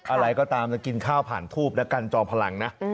อะไรก็ตามจะกินข้าวผ่านทูบแล้วกันจอมพลังนะ